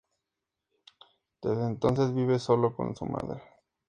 Desde entonces vive solo con su madre.